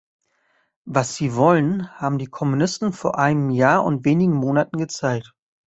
Was sie wollen, haben die Kommunisten vor einem Jahr und wenigen Monaten gezeigt.